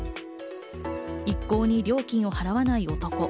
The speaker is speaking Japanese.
一向に料金を払わない男。